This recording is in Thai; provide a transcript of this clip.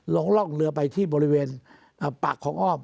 ลงลอกเรือไปร่วมบริเวณปากของออบ